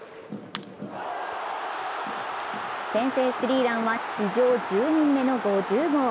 先制スリーランは史上１０人目の５０号。